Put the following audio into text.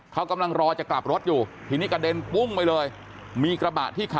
เขากำลังรอจะกลับรถอยู่ทีนี้กระเด็นปุ้งไปเลยมีกระบะที่ขับ